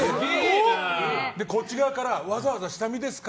こっち側からわざわざ下見ですか？